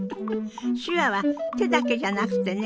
手話は手だけじゃなくてね